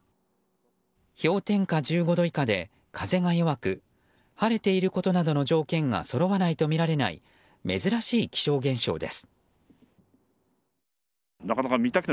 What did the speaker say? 氷点下１５度以下で風が弱く、晴れていることなどの条件がそろわないとみられない珍しい気象現象です。